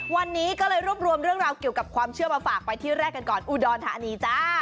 วันนี้ก็เลยรวบรวมเรื่องราวเกี่ยวกับความเชื่อมาฝากไปที่แรกกันก่อนอุดรธานีจ้า